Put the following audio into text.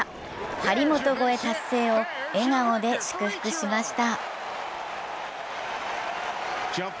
張本超え達成を笑顔で祝福しました。